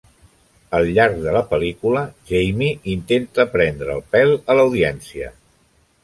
Al llarg de la pel·lícula, Jamie intenta prendre el pel a l'audiència.